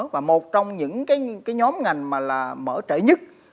và một trong những cái nhóm ngành mà là mở trẻ nhất